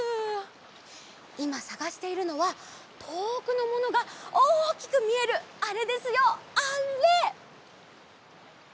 いまさがしているのはとおくのものがおおきくみえるあれですよあれ！